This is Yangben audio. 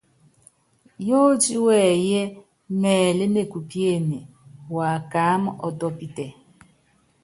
Yótí wɛyí mɛlɛ́ nekupíene, wakaáma ɔ́tɔ́pítɛ.